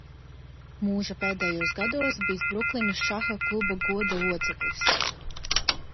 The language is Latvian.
Mūža pēdējos gados bijis Bruklinas šaha kluba goda loceklis.